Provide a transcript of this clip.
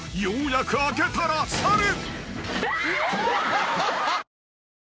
ようやく開けたら猿］